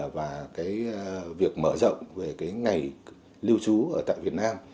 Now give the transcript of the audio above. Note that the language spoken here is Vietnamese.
và việc mở rộng về ngày lưu trú ở tại việt nam